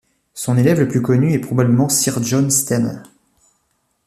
Son élève le plus connu est probablement Sir John Stainer.